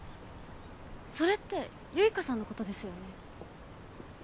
それって結花さんのことですよね。